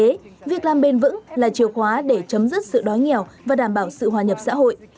vì thế việc làm bền vững là chiều khóa để chấm dứt sự đói nghèo và đảm bảo sự hòa nhập xã hội